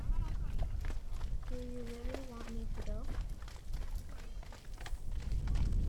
Do you really want me to go?